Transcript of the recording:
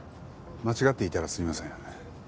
間違っていたらすみません。